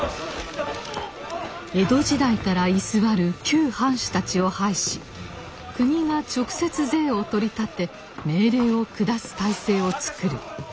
江戸時代から居座る旧藩主たちを廃し国が直接税を取り立て命令を下す体制を作る。